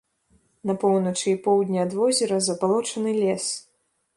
На поўначы і поўдні ад возера забалочаны лес.